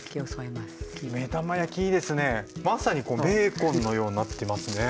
まさにこのベーコンのようなってますね。